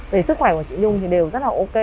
về sức khỏe của chị nhung thì đều rất là ok